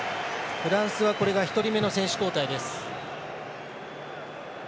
フランスはこれが１人目の選手交代です。